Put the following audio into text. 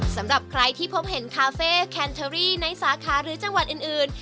สำหรับใครที่พบเห็นคาเฟ่แคนเชอรี่ในสาขาหรือจังหวัดอื่น